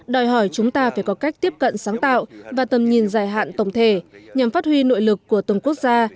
đòi hỏi chúng ta phải có cách tiếp cận sáng tạo và tầm nhìn dài hạn tổng thể nhằm phát huy nội lực của từng quốc gia